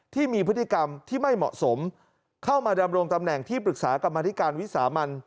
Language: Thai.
ที่มีพฤติกรรมที่ไม่เหมาะสมเข้ามาดำรงตำแหน่งที่ปรึกษากรรมธิการวิสามัน